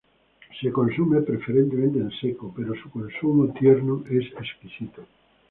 Se consume preferentemente en seco, pero su consumo tierno es exquisito.